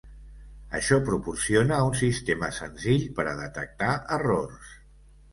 Això proporciona un sistema senzill per a detectar errors.